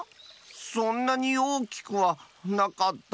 そんなにおおきくはなかった。